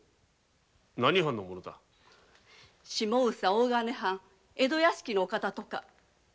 大金藩江戸屋敷のお方とか。